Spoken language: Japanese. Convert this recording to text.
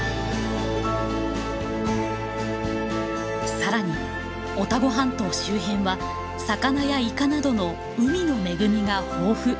さらにオタゴ半島周辺は魚やイカなどの海の恵みが豊富。